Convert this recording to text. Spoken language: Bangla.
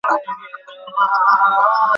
আমি পালাবো না।